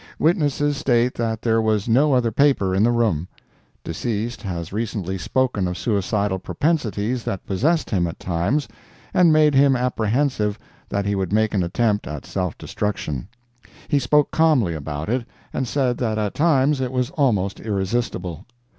Witnesses state that there was no other paper in the room. Deceased has recently spoken of suicidal propensities that possessed him at times, and made him apprehensive that he would make an attempt at self destruction. He spoke calmly about it, and said that at times it was almost irresistible.